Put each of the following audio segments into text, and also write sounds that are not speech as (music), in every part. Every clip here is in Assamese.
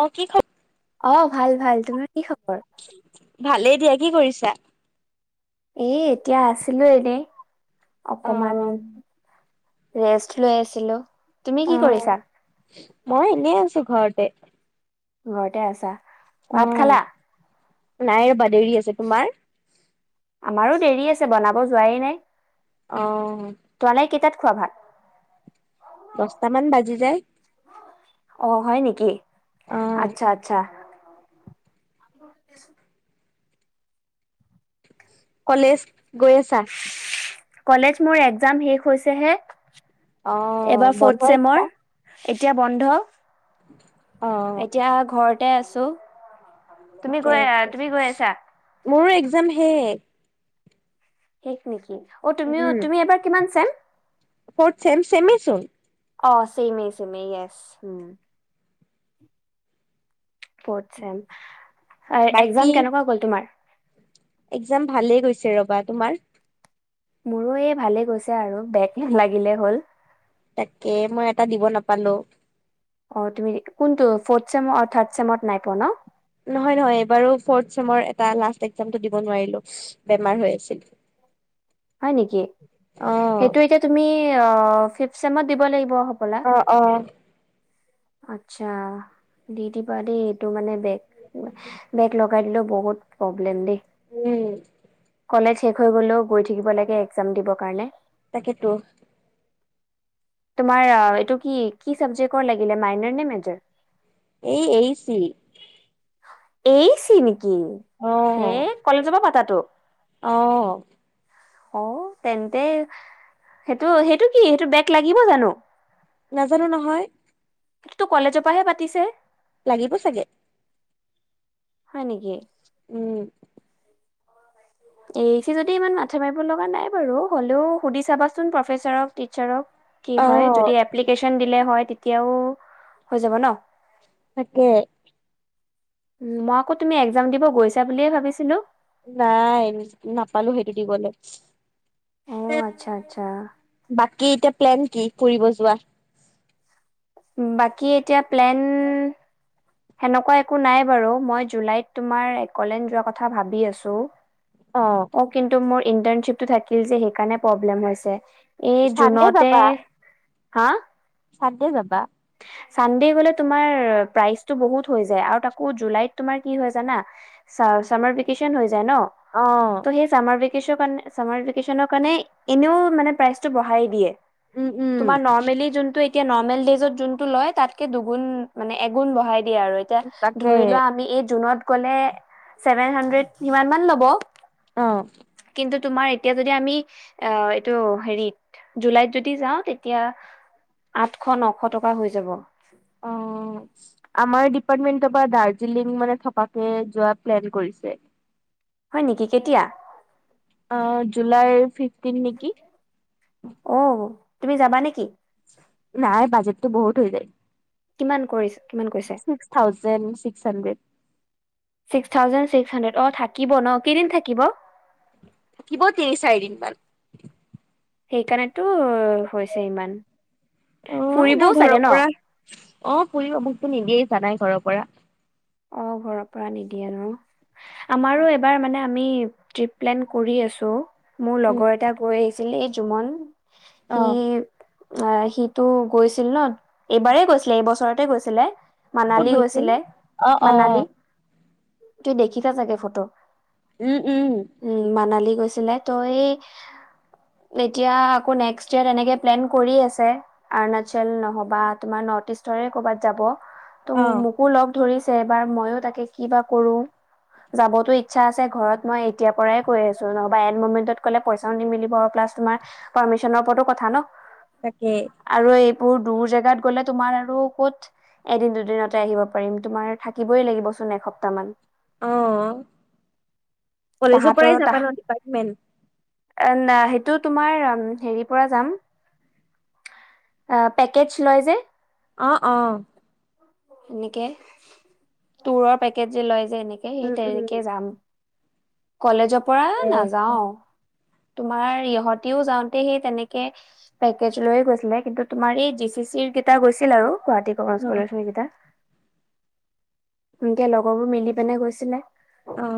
অ কি খ অ'ভাল -ভাল তোমাৰ কি খবৰ? ভালেই দিয়া কি কৰিছা? এ 'এতিয়া আছিলো এনেই । অকমান ৰেষ্ট লৈ আছিলো। অ তুমি কি কৰিছা মই এনেই আছো ঘৰতে ঘৰতে আছা অ ভাত খালা নাই বা দেৰি আছে তোমাৰ আৰু দেৰি আছে বনাব যোৱাই নাই আহ তোমালোকে কেইটাত খোৱা ভাত যাই অ হয় নেকি অ আচ্ছা আচ্ছা (unintelligible) কলেজ গৈ আছা কলেজ মোৰ একজাম শেষ হৈছে হে অ বন্ধ এতিয়া এতিয়া বন্ধ উ এতিয়া ঘৰতে আছো দু তুমি ঠিকে গৈ আছে তুমি গৈ আছা মোৰো একজাম শেষ শেষ নেকি অ উম তুমিও তুমি এবাৰ কিমান চেম ফডছেম ছেম এছোন অ চেইমেই চেমেই ইএছ ফডছেম একজাম কেনেকুৱা গ'ল তোমাৰ একজাম ভালেই গৈছে ৰবা তোমাৰ মোৰো এই ভালে গৈছে আৰু বেগ নালাগিলে হ'ল তাকে মই এটা দিব নাপালো অ তুমি কোনটো ফড ছেম থাড ছেমত নাই পোৱা ন নহয় নহয় এইবাৰো ফড ছেমৰ এটা লাষ্ট একজামটো দিব নোৱাৰিলোঁ বেমাৰ হৈ আছিল হয় নেকি অ সেইটো এতিয়া তুমি ক ফিপ্ত চেমত দিব লাগিব হ'বলা। অ অ আচ্ছা দি দিবা দেই এইটো মানে বেগ বেগ লগাই দিলেও বহুত প্ৰব্লেম দেই উম কলেজ শেষ হৈ গ'লেও গৈ থাকিব লাগে একজাম দিবৰ কাৰণে । তাকেইেতো । তোমাৰ এইটো কি কি চাবজেক্টৰ লাগে মাইনৰ নে মেজাৰ? এই এই চি । এ ই চি নেকি? টো, সেই কলেজৰ পৰা পাতা টো অঁ। অ তেন্তে, সেইটো সেইটো কি সেইটো বেক লাগিব জানো? নাজানো নহয় । কিন্তু কলেজৰ পৰাহে পাতিছে । লাগিব চাগে। হয় নেকি । উম। এই ই চি যদি ইমান মাথা মাৰিব লগা নাই বাৰু, হলেও সুধি চাবাচোন প্ৰফেচাৰক টিচাৰক। কি অ হয়, যদি এপ্লিকেশ্যন দিলে হয় তেতিয়াও হৈ যাব ন। তাকে। মই আকৌ তুমি এক্সাম দিব গৈছা বুলিয়ে ভাবিছিলো । নাই নাপালো সে কি কি কলে? অ আচ্ছা আচ্ছা বাকী এতিয়া প্লেন কি কৰিব যোৱা? বাকী এতিয়া প্লেন, সেনেকুৱা একো নাই বাৰু । মই জুলাইত তোমাৰ কলেজ যোৱাৰ কথা ভাৱি আছো । অ কিন্তু মোৰ ইণ্টাৰ্ণশিপটো থাকে যে, সেইকাৰণে প্ৰব্লেম হৈছে । এই চানডে জুনতে যাবা হা? চানডে যাবা? চানডে গলে তোমাৰ প্ৰাইচটো বহুত হৈ যায় আৰু তাকো জুলাইত তোমাৰ কি হয় জানা, চা চামাৰ ভেঁকেচন হৈ যায় । যায় ন, অ ত সেই চামাৰ ভেকেচণৰ কাৰণে চামাৰ ভেকেচনৰ কাৰণে এনেও মানে প্ৰাই টো বহাই দিয়ে। উম উম তোমাৰ নৰ্মেলী যোনটো এতিয়া নৰ্মেল ডেজত যোনটো লৈ তাতকৈ দুগুণ মানে এগুন বঢ়াই দিয়ে আৰু এতিয়া, তাকে ধৰি লোৱা আমি এই জুনত ক'লে ছেভেন হানড্ৰেড সিমান মান ল'ব । অ । কিন্তু, তোমাৰ এতিয়া যদি আমি অ এইটো হেৰিত জুলাইত যদি যাওঁ, ‌তেতিয়া আঠশ ন শ টকা হৈ যাব । অ, আমাৰ ডিপাৰ্মেণ্টৰ পৰা দাৰ্জিলিং মানে থকাকে যোৱা প্লেন কৰিছে । হয় নেকি, কেতিয়া? অ, 'জুলাইৰ ফিফটিন নেকি? অ' তুমি যাবা নেকি? নাই, বাজেটটো বহুত হৈ যায়। কিমান কৈছে six thousand six hundred six thousand hundred অ', থাকিব ন, কেইদিন থাকিব? থাকিব তিনি-চাৰিদিনমান। সেইকাৰণে ত হৈছে ইমান। অ এনেও ফুৰিবও ঘৰৰ চাগে ন? পৰা অ ফুৰিব, মোকতো নিদিয়ে জানাই ঘৰৰ পৰা। মই ঘৰৰ পৰা নিদিয়ে আৰু। আমাৰো এবাৰ মানে আমি ট্ৰিপ প্লেন কৰি আছো। মোৰ উম লগৰ এটা গৈ আহি আছিলে যুমন। অ সেই অ'সিটো গৈছিল ন এইবাৰেই গৈছিলে এইবছৰতে গৈছিলে। ক'ত মানালী গৈছিল গৈছিলে। অ অ মনালি। তু, দেখিবা চাগে ফটো। উম, উম। উম, মানালী গৈছিলে ত' এই এতিয়া আকৌ নেক্সট ইয়োৰ তেনেকে প্লেন কৰি আছে। অৰুণাচল নহবা তোমাৰ নৰ্থ ইষ্টৰে ক'ৰবাত যাব। ত' অ মোকো ল'ম ধৰিছ। বাৰ মইও তাকে কিবা কৰো। যাবতো ইচ্ছা আছে ঘৰত মই এতিয়া পৰাই কৈ আছো নহবা এ লাষ্ট মমেটত কলে পইচাও নিমিলিব, প্লাছ তোমাৰ পাৰ্মিশনৰ ওপৰতো কথা ন। তাকে। বহুত দূৰ জেগাত গ'লে তোমাৰ আৰু ক'ত এদিন-দুদিনতে আহিব পাৰিম তোমাৰ। থাকিবই লাগিব চোন এসপ্তাহ মান। অ', কলেজৰ তাহাঁতৰো পৰাই তাহ যাবা ন, ডিপাৰ্টমেন্ট? সেইটো, তোমাৰ হেৰিৰ পৰা যাম। পেকেজ লয় যে। অ' অ'। এনেকে তোৰৰ পেকেজ যে লয়। যে এনেকে, উম সেই উম তেনেকে যাম। কলেজত পৰা অ নাযাও। তোমাৰ ইহতিও যাওঁতে সেই তেনেকে পেকেজ লৈয়ে গৈছিলে। কিন্তু, তোমাৰ এই জি চি চিৰ কেইটা গৈছিল আৰু। গুৱাহাটী কমাৰ্চ কলেজ ৰ কেইটা। সনকে লগৰবোৰ মিলি পিনে গৈছিলে অ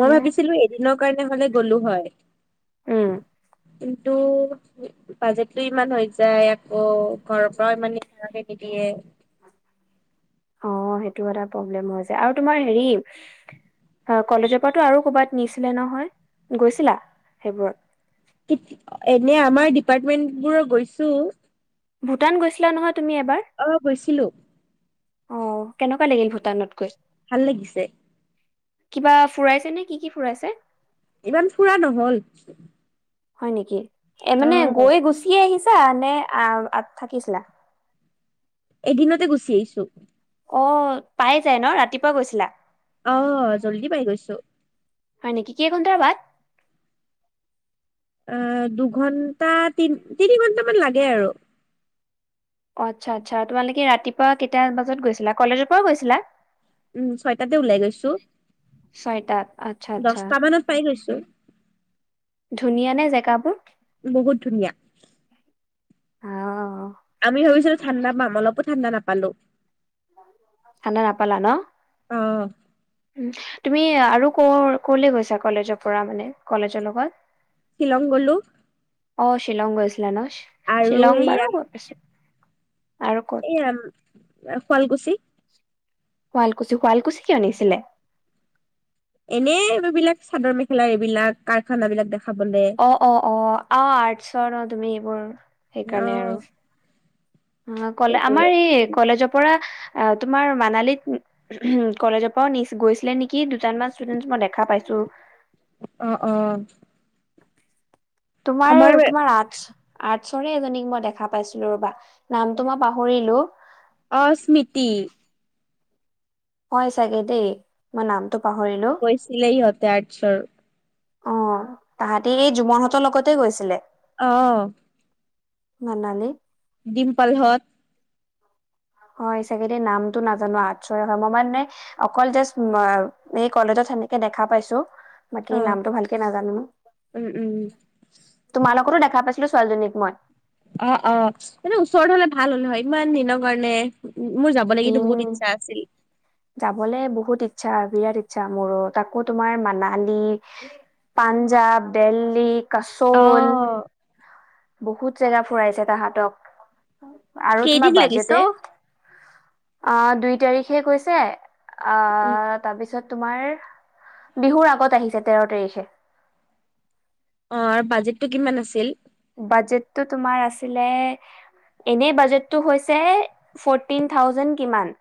মই হে ভাবিছিলো এদিনৰ কাৰণে হলে গ'লো হয় উম কিন্তু বাজেটটো ইমান হৈ যায় আকৌ ঘৰৰ পৰাও ইমানে সাকে নিদিয়ে অ সেইটো এটা প্ৰব্লেম আৰু তোমাৰ হেৰি হয় কলেজৰ পৰাতো আৰু ক'ৰবাত নিছিলে নহয় গৈছিলা সেইবোৰত এনে আমাৰ ডিপাৰ্টমেন্ট বোৰৰ গৈছো ভূটান গৈছিলা নহয় তুমি এবাৰ আহ গৈছিলো অ কেনেকুৱা লাগিল ভূটানত গৈ ভাল লাগিছে। কিবা ফুৰাইছে নে কি কি ফুৰাইছে। ইমান ফুৰা নহল হয় নেকি এ অ মানে গৈ গুচিয়ে আহিছে এ আনে থাকিছিলা এদিনতে গুচি আহিছো অ পাই যায় ন ৰাতিপুৱা গৈছিলা। আহ জল্দি পাই গৈছো হয় নেকি কেই ঘণ্টাৰ বাদ। আহ দুঘন্টা তি তিনি ঘন্টামান লাগে আৰু। আচ্ছা আচ্ছা তোমালোকে ৰাতিপুৱা কেইটা বজাত গৈছিলা কলেজৰ পৰাও গৈছিলা। উম ছয়টাতে ওলাই গৈছো ছয়টাত আচ্ছা আচ্ছা দশটা মানত পাই গৈছো ধুনীয়া নে জেগাবোৰ বহুত ধুনীয়া আহ আমি ভাবিছো ঠাণ্ডা পাম অলপ ঠাণ্ডা নাপালো আনে নাপালা ন অ তুমি আৰু ক ক'লে গৈছা কলেজৰ পৰা মানে কলেজৰ লগত শ্বিলংগ গলো অ শ্বিলং গছিলা শ্বিললংবাৰো গ পাইছো আৰু ক'ত এ ম শুৱালকুছি শুৱালকুছি, শুৱালকুছি কিয় নিছিলে? এনেই এইবিলাক চাদৰ মেখেলা এইবিলাক কাৰখান বিলাক দেখা। অ অ অ। অ আৰ্টচৰ অ তুমি এইবোৰ। অ সেইকাৰণে আৰু। অ কলে সেইবোৰে আমাৰ এই কলেজক পৰা তোমাৰ মানালীত (unintelligible) কলেজৰ পৰাও গৈছিলে নেকি? দুজনান মান ষ্টুডেন্ট মই দেখা পাইছোঁ। আহ অ। তোমাৰ আমাৰ তোমাৰ আৰ্টছ আৰ্টছৰে এজনীক মই দেখা পাইছিলো ৰবা নামটো মই পাহৰিলোঁ। অ স্মিতি। হয় চাগে দেই মই নাম গৈচিলে সিহঁতে আৰ্টছৰ। অ তাহাঁতি এই জুম হঁতৰ লগতে গৈছিলে। অহ। মানালীত। ডিমপলহত হয় চাগে দেই নামটো নাজানো আৰ্টছৰে হয়। মই মানে অকল জাষ্ট ম কলেজত দেখা পাইছোঁ। বাকী অ নামতটো ভালকে নাজানো। উম উম তোমালোকতো দেখা পাইছিলো। ছোৱালীজনীক মই। অ অ এনে ওচৰত হলে ভাল হ'লে হয় ইমান দিনৰ কাৰণে। উ উ মোৰ যাবলে কিন্তু বহুত ইচ্ছা আছিল। যাবলৈ বহুত ইচ্ছা বিৰাট ইচ্ছা মোৰো তাকো তোমাৰ মানালী, পাঞ্জাৱ, দেল্লী। অ কাচল। বহুত জেগা ফুৰাইছে তাহাঁতক। আৰু তোমাৰ কেইদিন লাগিছে বাজেটো অ দুই তাৰিখে কৈছে, অ উম, তাৰপিছত তোমাৰ বিহুৰ আগত আহিছে তেৰ তাৰিখে। অ বাজেটটো কিমান আছিল? বাজেটটো তোমাৰ আছিলে, এনেই বাজেটটো হৈছিলে ফৰটিন টাউজেন কিমান।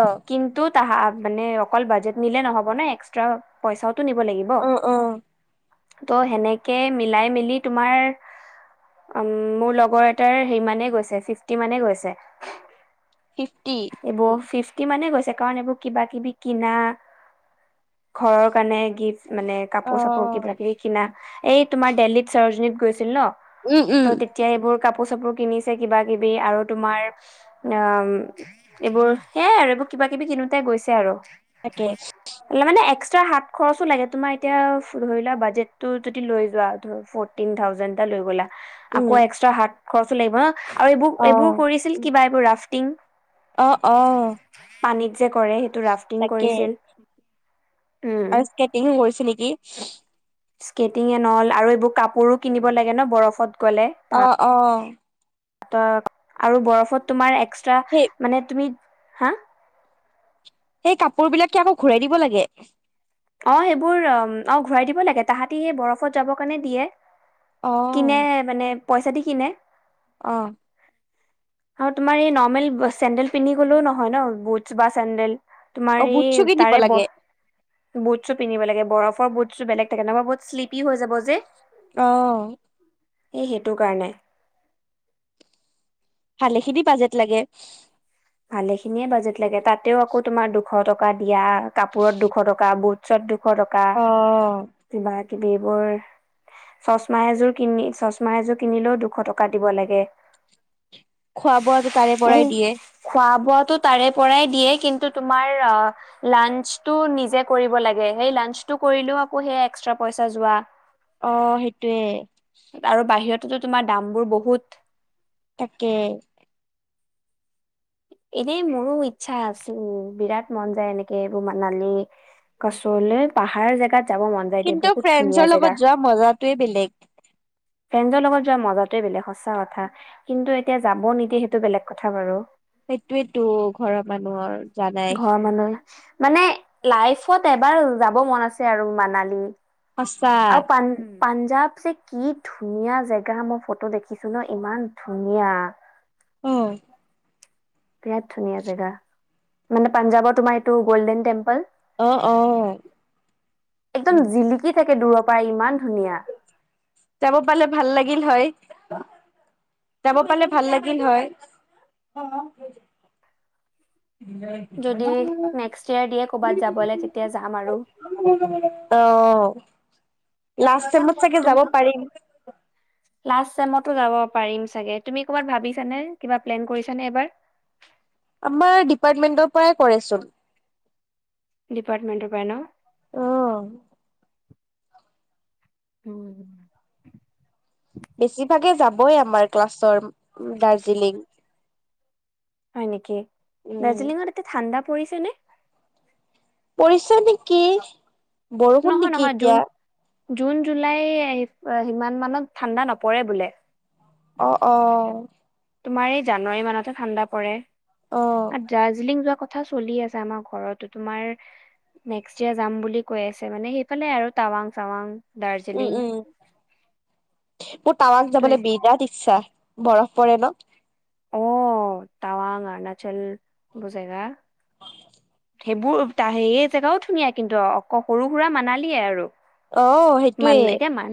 অ কিন্তু তা মানে অকল বাজেট নিলে নহ'ব ন এক্সট্ৰা পইচাও টো নিব লাগিব। অ অ ত' সেনেকে মিলাই মিলি তোমাৰ মোৰ লগৰ এটাৰ সিমানে গৈছে ফিফটি মানে গৈছে। ফিফটি এইব ফিফ তিমানে গৈছে কাৰণ এইবোৰ কিবা কিবি কিনা, ঘৰৰ কাৰণে গিফ্ট মানে অ কাপোৰ চাপোৰ কিবা কিবি কিনা এই তোমাৰ ডেলহিত সৰজনীত গৈছিল ন। উম (unintelligible) উম ত' তেতিয়া এইবোৰ কাপ কাপোৰ চাপোৰ কিনিছে কিবাকিবি আৰু তোমাৰ (unintelligible) এইবোৰ, সেইয়াই আৰু এইবোৰ কিবা কিবি কিনোতে গৈছে আৰু। তাকে। মানে এক্সট্ৰা হাত খৰচো লাগে তোমাৰ এতিয়া ধৰি লোৱা বাজেটটো যদি লৈ যোৱা ফৰটিন থাউজেণ্ড এটা লৈ গ'লা (unintelligible) উম আকৌ এক্সট্ৰা হাত কছিল লাগিব (unintelligible) আৰু এইবোৰ অ এইবোৰ কৰিছিল কিবা গ্ৰাফ্টিং (unintelligible) অ অ উম। (unintelligible) পানীত যে কৰে সেইটো ৰাফ্টিং তাকে কৰিছিল। উম আৰু স্কেটিঙো কৰিছিল নে? (unintelligible) কি। স্কেটিং এন হল আৰু এইবোৰ কাপোৰো কিনিব লাগে ন বৰফত গ'লে অ তাত অ। আৰু বৰফত তোমাৰ এক্সট্ৰা সেই মানে তুমি হা। সেই কাপোৰ বিলাক ঘূৰাই দিব লাগে। গে। (unintelligible) অ সেইবো, ৰ অ ঘূৰাই দিব লাগে তাহাঁতি সেই বৰফত যাব কাৰণে দিয়ে। (unintelligible) কিনে মানে (unintelligible) পইচা দি কিনে। আহ। আৰু তোমাৰ এই নৰ্মেল চেণ্ডেল পিন্ধি গলেও নহয় ন বুটছ বা চেণ্ডেল অ বুটছুকে দিব লাগে। (unintelligible) বুটছো পিন্ধিব লাগে, বৰফৰ বুট চো বেলেগ থাকে নহয় বহুত শ্লিপি হৈ যাব যে। (unintelligible) আহ। এই সেইটো কাৰণে ভালেখিনি বাজেট লাগে। ভালে খিনিয়ে বাজেট লাগে তাতেও আকৌ তোমাৰ দুখ এশ টকা দিয়া কাপোৰত দুশ টকা বুট তাৰ পাছত দুশ দুশ টকা অ কিবা এইবোৰ চছমা এযোৰ কিনি চছমা এযোৰ কিনিলেও দুশ টকা দিব লাগে। খোৱা বোৱাটো তাৰে এই পৰাাই দিয়ে খোৱা বোৱাতো তাৰে পৰাই দিয়ে কিন্ত তোমাৰ আহ লান্স তো নিজেই কৰিব লাগিব সেই লান্স তো কৰিলেও আকৌ হে এচট্ৰা পইচা যোৱা। অ সেইটোৱে কিন্তু তোমাৰ দামবোৰ বহুত তাকে এনেই মোৰো ইচ্ছা আছিল বিৰাট মন যায় এনেকে এইবোৰ মানালী গছলৈ পাহাৰৰ জেগাত যাব মন যায় দেই কিন্তু বহুত ধুনীয়া ফ্ৰেণ্ডছৰ লগত যোৱা মজাটোৱে বেলেগ ফ্ৰেডজৰ লগত যোৱা মজটোৱে বেলেগ সঁচা কথা। কিন্তু এতিয়া যাব নিদিয়ে সেইটো বেলেগ কথা বাৰু সেইটোয়েতো ঘৰৰ মানুহৰ জানাই ঘৰৰ মানুহে মানে লাইফত এবাৰ যাব মন আছে আৰু মানালী সচাঁ পাঞ্জাব যে কি ধুনীয়া জেগা মই ফটো দেখিছো ন ইমান ধুনীয়া উম বিৰাট ধুনীয়া জেগা মানে পাঞ্জাৱৰ তোমাৰ এইটো গল্ডেন টেম্পল অ একদম জিলিকি থাকে দূৰত (unintelligible) যাব পালে ভাল লাগে যাব পালে ভাল লাগিল হয়। (unintelligible) অৱ, যদি নেক্সট ইয়েৰ দিয়ে ক'বাত যাবলৈ তেতিয়া যাম আৰু লাষ্ট টাইমত চাগে তুমি যাব পাৰিম লাষ্ট চেইমতো যাব পাৰিম চাগে, তুমি ক'ৰবাত ভাবিছানে কিবা প্লেন কৰিছানে এবাৰ। আমাৰ ডিপাৰ্টমেন্টৰ পৰাই কৰেচোন। ডিপাৰ্টমেণ্টৰ পাই ন। অ (unintelligible) বেছিভাগে যাব বই আমাৰ ক্লাছৰ দাৰ্জিলিং হয় নেকি। উম দাৰ্জিলিঙৰ এতিয়া ঠাণ্ডা পৰিছে নে পৰিছে নেকি বৰষুণ নহয় নেকি নহয় এতিয়া জুন । জুন জুলাই সিমান মানত ঠাণ্ডা নপৰে বোলে অ অ তোমাৰ এই জানুৱাৰী মাহতে ঠাণ্ডা পৰে। আ দাৰ্জিলিং যোৱা কথা কথা চলি আছে আমাৰ ঘৰতো তোমাৰ নেক্স ইয়েৰ যাম বুলি কৈ আছে মানে সেইফালে আৰু টাৱাং চাৱাং। উম দাৰ্জিলিং উম মোৰ তামাং ত যাবলৈ বিৰাট ইচ্ছা। বৰফ পৰে ন অ তাৱাং অৰুণাচল এইবোৰ জেগা। সেইবোৰ সেই জেগাও ধুনীয়া কিন্তু অ সৰু সুৰা মানালিয়ে আৰু। অ মান সেইটোৱে এতিয়া মান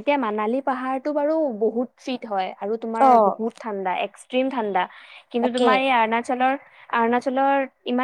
এতিয়া মানালী পাহাৰতটো বাৰু বহুত চিট হয়। আৰু অ তোমাৰ বহুত ঠাণ্ডা এক ইষ্ট্ৰিম ঠাণ্ডা। কিন্তু তাকে তোমাৰ এই অৰুণাচলৰ অৰুণাচলৰ ইমান